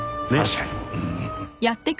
確かに。